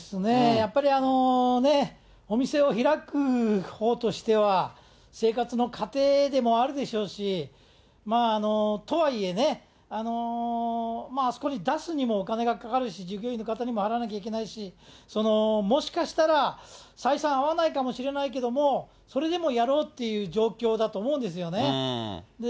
やっぱりね、お店を開くほうとしては、生活の糧でもあるでしょうし、とはいえね、あそこに出すにもお金がかかるし、従業員の方にも支払わないといけないし、もしかしたら採算合わないかもしれないけど、それでもやろうっていう状況だと思うんですよね。